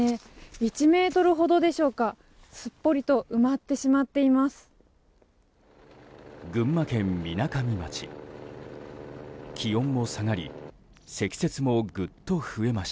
１ｍほどでしょうか、すっぽりと埋まってしまっています。